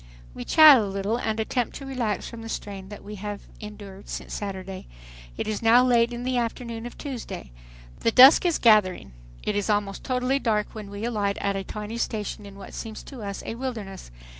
We chat a little and attempt to relax from the strain that we have endured since Saturday. It is now late in the afternoon of Tuesday. The dusk is gathering. It is almost totally dark when we alight at a tiny station in what seems to us a wilderness.